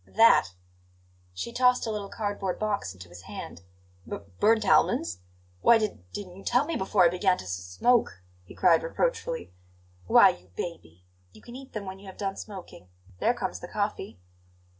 "That!" She tossed a little cardboard box into his hand. "B burnt almonds! Why d didn't you tell me before I began to s smoke?" he cried reproachfully. "Why, you baby! you can eat them when you have done smoking. There comes the coffee."